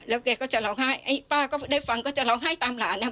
แล้วแกก็จะร้องไห้ป้าก็ได้ฟังก็จะร้องไห้ตามหลานค่ะ